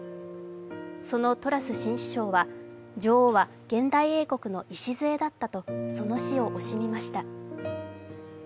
そのトラス新首相は、女王は現代英国の礎だったとその死を惜しみました。